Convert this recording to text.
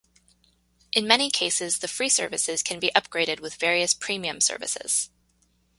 In many cases the free services can be upgraded with various premium services.